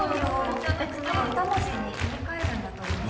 たぶん２文字に言いかえるんだと思います。